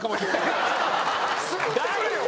大丈夫や！